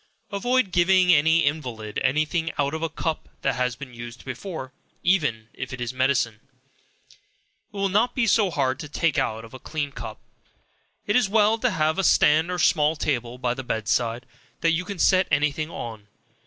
Avoid giving an invalid any thing out of a cup that has been used before; even if it is medicine, it will not be so hard to take out of a clean cup. It is well to have a stand or small table by the bed side, that you can set any thing on.